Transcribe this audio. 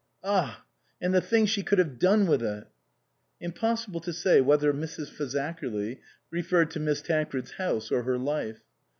" Ah ! and the things she could have done with it." Impossible to say whether Mrs. Fazakerly re ferred to Miss Tancred's house or her life.